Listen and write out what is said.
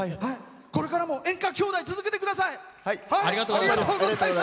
これからも「演歌兄弟」続けてください。